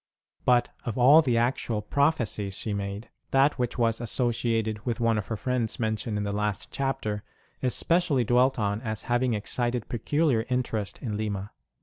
But of all the actual prophecies she made, that which was associated with one of her friends mentioned in the last chapter is specially dwelt on as having excited peculiar interest in Lima.